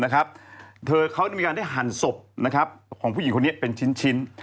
เธอเขามีการได้หั่นศพของผู้หญิงคนนี้เป็นชิ้น